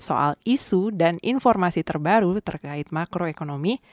soal isu dan informasi terbaru terkait makroekonomi